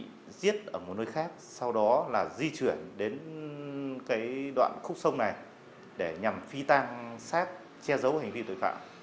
cả năng là bị giết ở một nơi khác sau đó là di chuyển đến cái đoạn khúc sông này để nhằm phi tan xác che giấu hành vi tội phạm